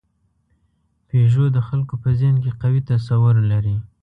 پيژو د خلکو په ذهن کې قوي تصور لري.